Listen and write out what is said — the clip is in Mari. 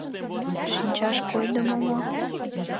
Шинчаш койдымо мо?!